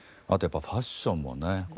やっぱファッションもね